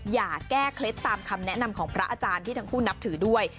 อย่าแก้เคล็ดตามคำแนะนำของพระอาจารย์ที่ทั้งคู่นับถือด้วย